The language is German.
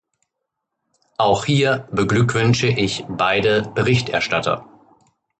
Auch hier beglückwünsche ich beide Berichterstatter.